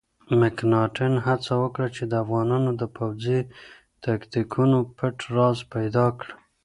مکناتن هڅه وکړه چې د افغانانو د پوځي تاکتیکونو پټ راز پیدا کړي.